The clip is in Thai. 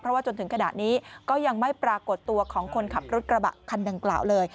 เพราะว่าจนถึงขณะนี้ก็ยังไม่ปรากฏตัวของคนขับรถกระบะคันดังกล่าวเลย